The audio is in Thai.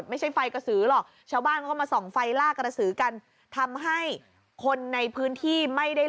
อาจจะเปลี่ยนที